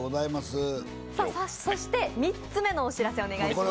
そして３つ目のお知らせをお願いします。